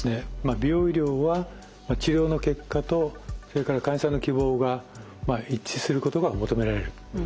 美容医療は治療の結果とそれから患者さんの希望が一致することが求められるんですね。